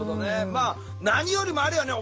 まあ何よりもあれよね